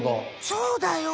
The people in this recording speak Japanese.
そうだよ。